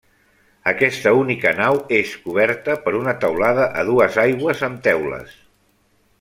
Aquesta única nau és coberta per una teulada a dues aigües amb teules.